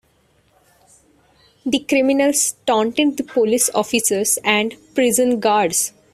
The criminals taunted the police officers and prison guards.